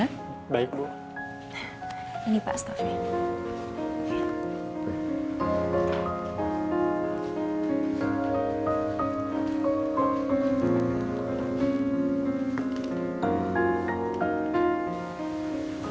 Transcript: antarkan bos saya ke talian